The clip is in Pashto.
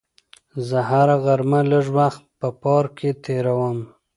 زه هره غرمه لږ وخت په پارک کې تېروم.